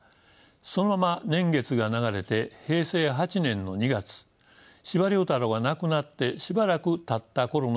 そのまま年月が流れて平成８年の２月司馬太郎が亡くなってしばらくたったころのことでした。